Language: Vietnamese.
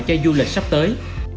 cho du lịch sắp tới